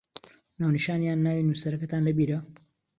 ناونیشان یان ناوی نووسەرەکەتان لەبیرە؟